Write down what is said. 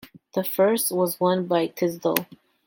The first was won by Tisdall.